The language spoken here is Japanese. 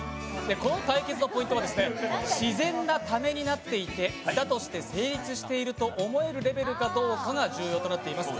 この対決のポイントは、自然なタメになっていて、歌として成立していると思うレベルかどうかが重要となっています。